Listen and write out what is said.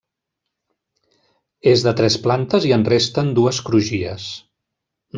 És de tres plantes i en resten dues crugies.